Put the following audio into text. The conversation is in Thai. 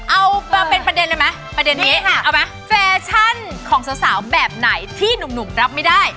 เอามาเป็นประเด็นเลยไหมประเด็นนี้เอาไหมแฟชั่นของสาวแบบไหนที่หนุ่มรับไม่ได้